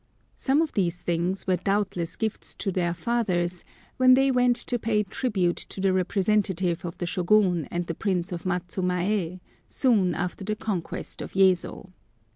Some of these things were doubtless gifts to their fathers when they went to pay tribute to the representative of the Shôgun and the Prince of Matsumæ, soon after the conquest of Yezo.